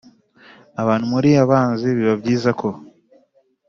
abantu muri abanxi bibyiza ko